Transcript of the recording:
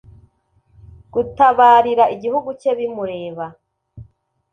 gutabarira igihugu cye bimureba